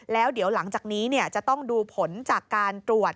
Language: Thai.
แล้วเดี๋ยวหลังจากนี้จะต้องดูผลจากการตรวจ